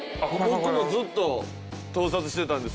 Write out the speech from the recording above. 僕もずっと盗撮してたんですよ。